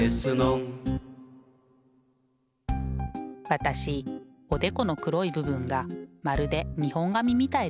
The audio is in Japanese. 私おでこの黒い部分がまるで日本髪みたいでしょう。